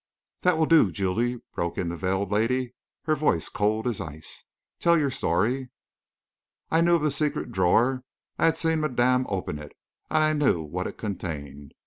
"That will do, Julie," broke in the veiled lady, her voice cold as ice. "Tell your story." "I knew of the secret drawer; I had seen madame open it; I knew what it contained.